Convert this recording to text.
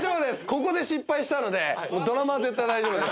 ここで失敗したのでドラマは絶対大丈夫です。